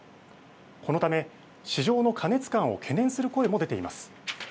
このため市場の過熱感を懸念する声も出ています。